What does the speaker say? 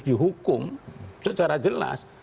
dihukum secara jelas